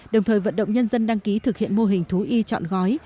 đồng thời vận động nhân dân đăng ký thực hiện mô hình thú y chọn gói